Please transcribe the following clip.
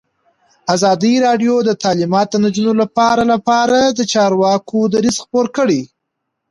ازادي راډیو د تعلیمات د نجونو لپاره لپاره د چارواکو دریځ خپور کړی.